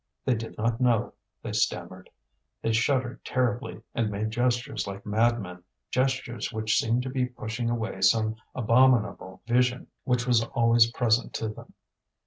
They did not know, they stammered; they shuddered terribly, and made gestures like madmen, gestures which seemed to be pushing away some abominable vision which was always present to them.